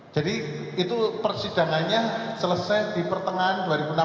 itu persidangannya selesai di pertengahan dua ribu enam belas